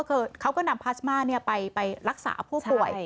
เขาก็นำพาสมาไปรักษาผู้ป่วย